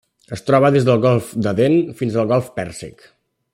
Es troba des del Golf d'Aden fins al Golf Pèrsic.